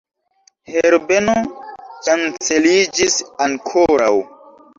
Herbeno ŝanceliĝis ankoraŭ.